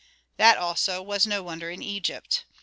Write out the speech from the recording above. That also was no wonder in Egypt.